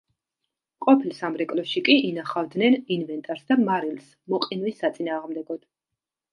ყოფილ სამრეკლოში კი ინახავდნენ ინვენტარს და მარილს მოყინვის საწინააღმდეგოდ.